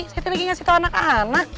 siti lagi ngasih tau anak anak